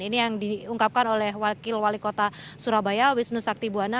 ini yang diungkapkan oleh wakil wali kota surabaya wisnu sakti buwana